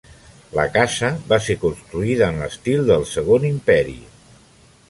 La casa va ser construïda en l'estil del Segon Imperi.